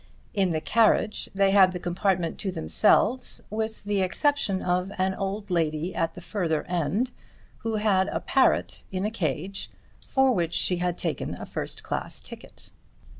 In the carriage they had the compartment to themselves with the exception of an old lady at the further end who had a parrot in a cage for which she had taken a first class ticket.